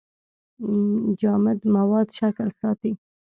جامد مواد شکل ساتي.